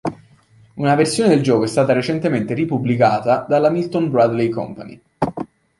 Una versione del gioco è stata recentemente ripubblicata dalla milton Bradley Company.